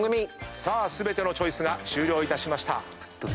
全てのチョイスが終了いたしました。